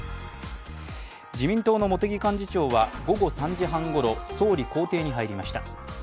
自民党の茂木幹事長は午後３時半ごろ総理公邸に入りました。